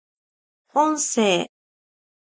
音声